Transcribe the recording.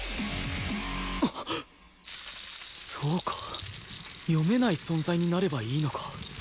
そうか読めない存在になればいいのか